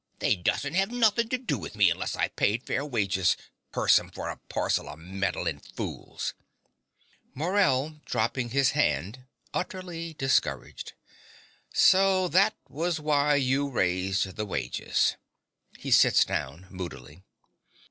They dussent'ave nothink to do with me unless I paid fair wages curse 'em for a parcel o' meddlin' fools! MORELL (dropping his hand, utterly discouraged). So that was why you raised the wages! (He sits down moodily.)